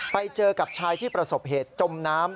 ไปเจอกับชายที่ประสบเหตุจมน้ำ